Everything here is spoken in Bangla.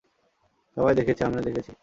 সবাই দেখেছে, আমিও দেখেছি।